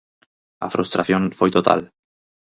A frustración foi total.